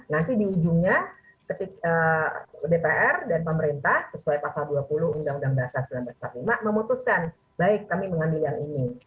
nanti di ujungnya dpr dan pemerintah sesuai pasal dua puluh undang undang dasar seribu sembilan ratus empat puluh lima memutuskan baik kami mengambil yang ini